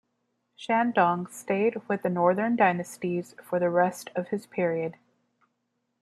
Shandong stayed with the Northern Dynasties for the rest of this period.